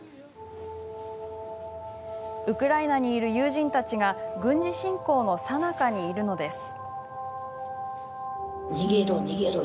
ウクライナにいる友人たちが軍事侵攻のさなかにいるのです。